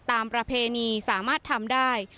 ประเพณีสามารถทำได้